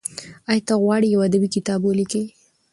ایا ته غواړې یو ادبي کتاب ولیکې؟